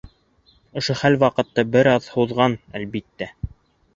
Ошо хәл ваҡытты бер аҙ һуҙған, әлбиттә.